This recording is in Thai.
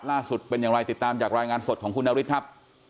จะเป็นอย่างไรติดตามจากรายงานสดของคุณนฤทธิ์ครับ